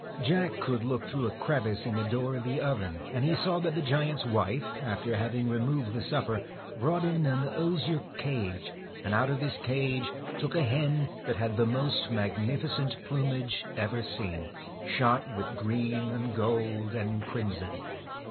Jack could look through a crevice in the door of the oven, and he saw that the giant's wife, after having removed the supper, brought in an osier cage, and out of this cage took a hen that had the 7 TACK most magnificent plumage ever seen, shot with AND THE green and gold and crimson.